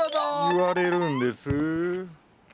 言われるんです。